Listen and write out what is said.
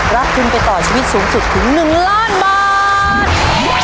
รับทุนไปต่อชีวิตสูงสุดถึง๑ล้านบาท